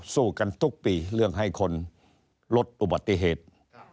สู้กันทุกปีเรื่องให้คนลดอุบัติเหตุ